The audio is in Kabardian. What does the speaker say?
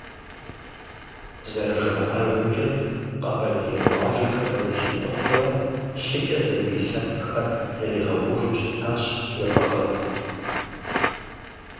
ЗэрыжаӀэжымкӀэ, къэбэрдей къуажэхэр къызэхикӀухьурэ, лъыкӀэ зэбий лъэпкъхэр зэригъэкӀужу щытащ Жэбагъы.